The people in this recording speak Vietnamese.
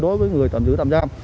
đối với người tạm giữ tạm giam